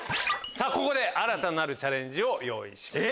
ここで新たなるチャレンジを用意しました。